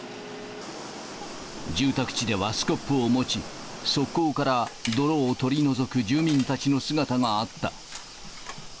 住宅地ではスコップを持ち、側溝から泥を取り除く住民たちの姿があった。